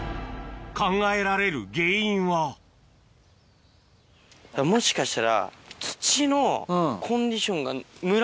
考えられる原因はもしかしたら。